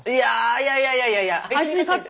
いやいやいやいやいや。